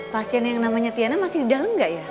pasien yang namanya tiana masih di dalam nggak ya